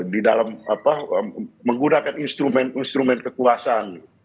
di dalam menggunakan instrumen instrumen kekuasaan